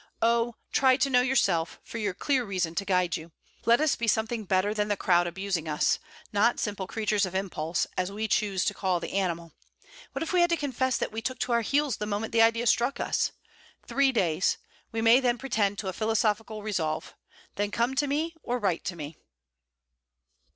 Oh! try to know yourself, for your clear reason to guide you. Let us be something better than the crowd abusing us, not simple creatures of impulse as we choose to call the animal. What if we had to confess that we took to our heels the moment the idea struck us! Three days. We may then pretend to a philosophical resolve. Then come to me: or write to me.'